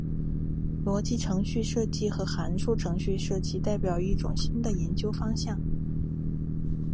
逻辑程序设计和函数程序设计代表一种新的研究方向。